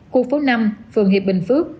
khu phố năm phường hiệp bình phước